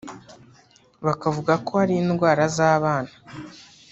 bakavuga ko ari indwara z’abana